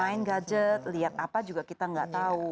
ya main gadget lihat apa juga kita tidak tahu